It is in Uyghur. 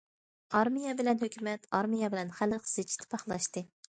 ئارمىيە بىلەن ھۆكۈمەت، ئارمىيە بىلەن خەلق زىچ ئىتتىپاقلاشتى.